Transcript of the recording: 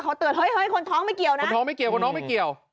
เขาเตือนเฮ้ยคนท้องไม่เกี่ยวนะคนท้องไม่เกี่ยวคนท้องไม่เกี่ยว